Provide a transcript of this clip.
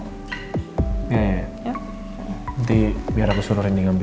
nanti biar aku suruh rendy ngambil